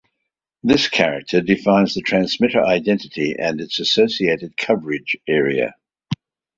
This character defines the transmitter identity and its associated coverage area.